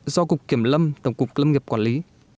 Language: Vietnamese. do cục kiểm lâm tổng cục lâm nghiệp quản lý